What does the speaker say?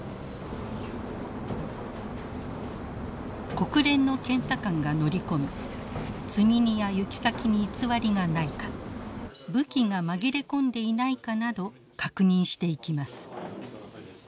国連の検査官が乗り込み積み荷や行き先に偽りがないか武器が紛れ込んでいないかなど確認していきます。